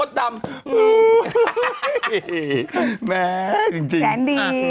แซนดี